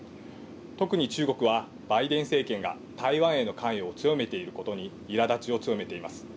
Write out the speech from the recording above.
特に中国は、バイデン政権か台湾への関与を強めていることにいらだちを強めています。